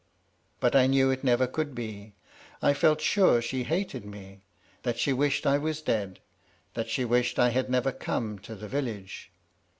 But I knew it never could be; I felt sure she hated me; that she wished I was dead; that she wished I had never come to the village.